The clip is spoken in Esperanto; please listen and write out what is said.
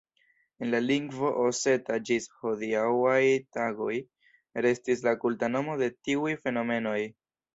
En la lingvo oseta ĝis hodiaŭaj tagoj restis la kulta nomo de tiuj fenomenoj.